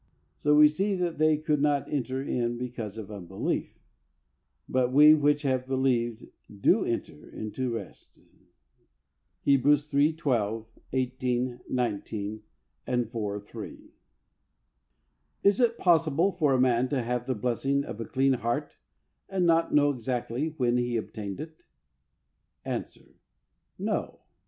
So we see that they could not enter in because of unbelief.^^ " But we which have believed do enter into rest (yHeb. iii. 12, 18, 19, and iv. 3). Is it possible for a man to have the blessing of a clean heart and not know exactly when he obtained it ? Answer : No.